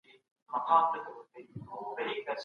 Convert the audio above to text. د قبیلوي هویت د هيواد د ټولني په اړيکو کي اغېز لرونکی دی.